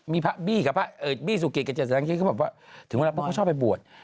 มีพระบี้บอกว่าถึงเราก็ชอบไปบวช